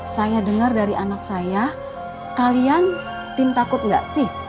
saya dengar dari anak saya kalian tim takut nggak sih